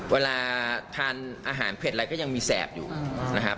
เวลาทานอาหารเผ็ดอะไรก็ยังมีแสบอยู่นะครับ